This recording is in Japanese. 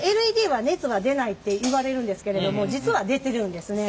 ＬＥＤは熱が出ないっていわれるんですけれども実は出てるんですね。